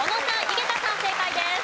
井桁さん正解です。